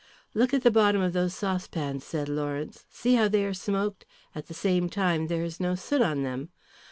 "Look at the bottom of those saucepans," said Lawrence. "See how they are smoked; at the same time there is no soot on them.